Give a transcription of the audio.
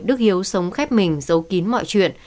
đức hiếu sống khép mình giấu kín mọi chuyện